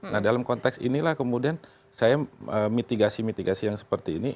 nah dalam konteks inilah kemudian saya mitigasi mitigasi yang seperti ini